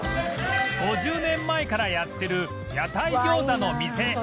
５０年前からやってる屋台餃子の店